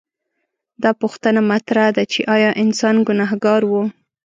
دا پوښتنه مطرح ده چې ایا انسان ګنهګار و؟